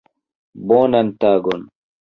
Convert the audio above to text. Bonan tagon.